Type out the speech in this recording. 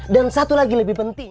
dan satu lagi lebih penting